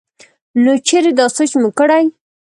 نو چرې دا سوچ مو کړے